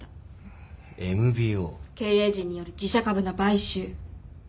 経営陣による自社株の買収。